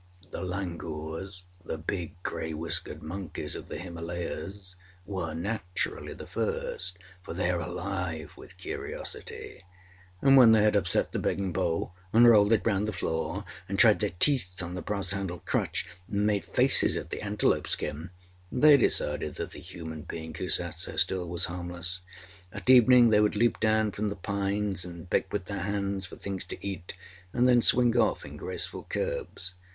The langurs, the big gray whiskered monkeys of the Himalayas, were, naturally, the first, for they are alive with curiosity; and when they had upset the begging bowl, and rolled it round the floor, and tried their teeth on the brass handled crutch, and made faces at the antelope skin, they decided that the human being who sat so still was harmless. At evening, they would leap down from the pines, and beg with their hands for things to eat, and then swing off in graceful curves.